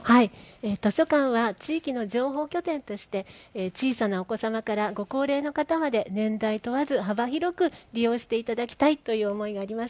図書館は地域の情報拠点として小さなお子様からご高齢の方まで年代問わず幅広く利用していただきたいという思いがあります。